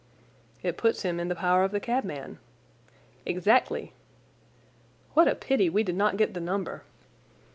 "It puts him in the power of the cabman." "Exactly." "What a pity we did not get the number!"